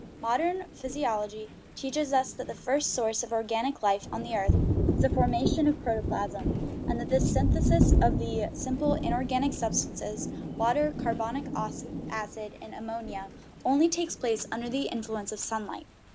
Modern physiology teaches us that the first source of organic life on the earth is the formation of protoplasm, and that this synthesis of simple inor 280 GOD AND THE WORLD ganic substances, water, carbonic acid, and ammonia, only takes place under the influence of sunlight.